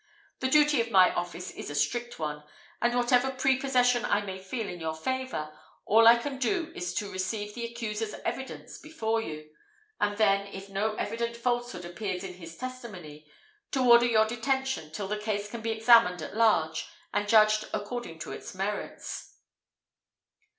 The duty of my office is a strict one; and whatever prepossession I may feel in your favour, all I can do is to receive the accuser's evidence before you; and then, if no evident falsehood appears in his testimony, to order your detention till the case can be examined at large, and judged according to its merits."